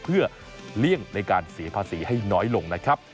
เพื่อเลี่ยงในการเสียภาษีให้น้อยลงนะครับ